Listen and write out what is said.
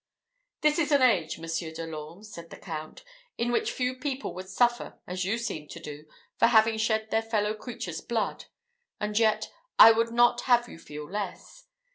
"This is an age, Monsieur de l'Orme," said the Count, "in which few people would suffer, as you seem to do, for having shed their fellow creature's blood; and yet, I would not have you feel less.